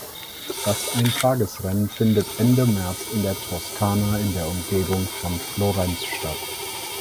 Das Eintagesrennen findet Ende März in der Toskana in der Umgebung von Florenz statt.